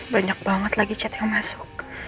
banyak banget lagi chat yang masuk